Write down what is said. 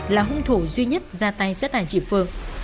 là hung thủ duy nhất ra tàu